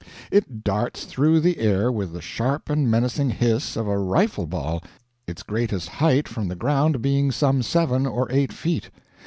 "It darts through the air with the sharp and menacing hiss of a rifle ball, its greatest height from the ground being some seven or eight feet